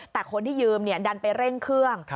แต่คนที่ยืมดันไปเร่งเครื่อง